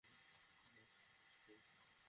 জানি কী করেছ তুমি।